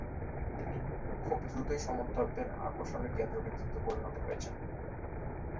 তিনি খুব দ্রুতই সমর্থকদের আকর্ষণের কেন্দ্র বিন্দুতে পরিণত হন।